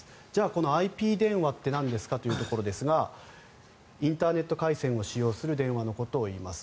このＩＰ電話ってなんですかというところですがインターネット回線を使用する電話のことをいいます。